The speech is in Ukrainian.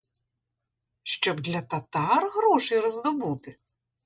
Щоб для татар грошей роздобути?